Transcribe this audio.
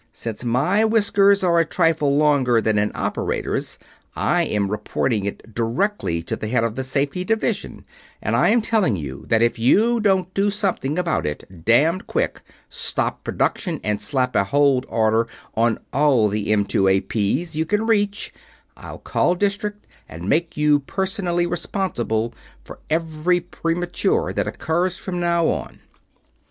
Since my whiskers are a trifle longer than an operator's, I am reporting it direct to the Head of the Safety Division; and I am telling you that if you don't do something about it damned quick stop production and slap a HOLD order on all the M2AP's you can reach I'll call District and make you personally responsible for every premature that occurs from now on."